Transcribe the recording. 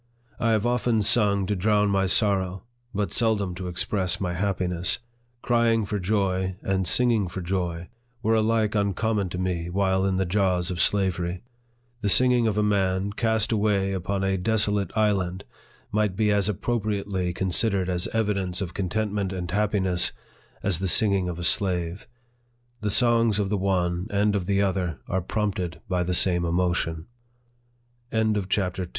I have often sung to drown my sor row, but seldom to express my happiness. Crying for joy, and singing for joy, were alike uncommon to me while in the jaws of slavery. The singing of a man cast away upon a desolate island might be as appro priately considered as evidence of contentment and happiness, as the singing of a slave ; the songs of the one and of the other are prompted